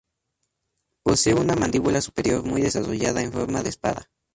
Posee una mandíbula superior muy desarrollada en forma de espada.